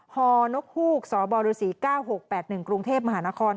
ฮนกฮูกสบฤษ๙๖๘๑กรุงเทพมหานคร